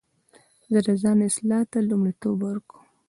زه د ځان اصلاح ته لومړیتوب ورکوم.